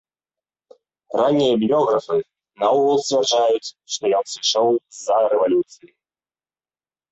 Раннія біёграфы наогул сцвярджаюць, што ён сышоў з-за рэвалюцыі.